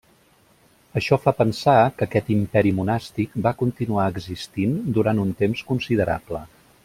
Això fa pensar que aquest imperi monàstic va continuar existint durant un temps considerable.